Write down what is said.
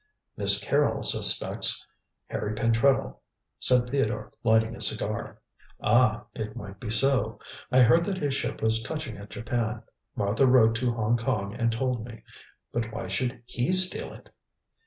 "Miss Carrol suspects Harry Pentreddle," said Theodore, lighting a cigar. "Ah! it might be so. I heard that his ship was touching at Japan. Martha wrote to Hong Kong and told me. But why should he steal it?"